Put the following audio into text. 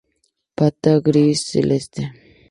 Patas gris-celestes.